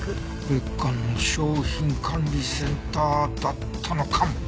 別館の商品管理センターだったのかも。